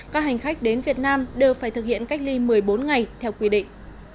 các hành khách đến việt nam đều phải thực hiện cách ly một mươi bốn ngày theo quy định